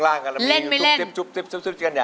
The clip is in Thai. เล่นไม่เล่น